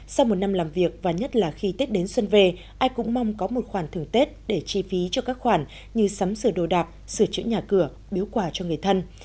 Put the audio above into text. sau một năm làm việc và nhất là khi tết đến xuân về ai cũng mong có một khoản thường tết để chi phí cho các khoản như sắm sửa đồ đạp sửa chữa nhà cửa biếu quà cho người thân